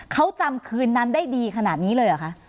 เขาจำคืนนั้นได้ดีขนาดนี้เลยเหรอคะ